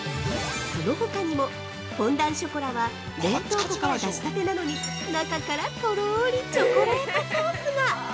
◆そのほかにも、フォンダンショコラは、冷凍庫から出したてなのに、中からとろーりチョコレートソースが！